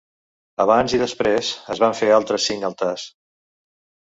Abans i després, es van fer altres cinc altars.